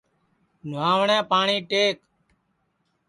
نہواٹؔے پاٹؔی ٹیک